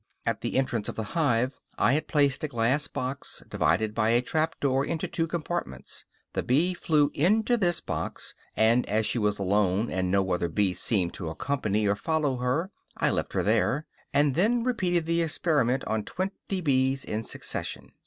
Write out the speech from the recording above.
At the entrance of the hive I had placed a glass box, divided by a trap door into two compartments. The bee flew into this box; and as she was alone, and no other bee seemed to accompany or follow her, I left her there, and then repeated the experiment on twenty bees in succession.